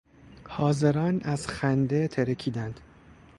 حاضران از خنده ترکیدند.